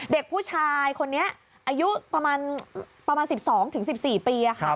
เด็กผู้ชายคนนี้อายุประมาณ๑๒๑๔ปีค่ะ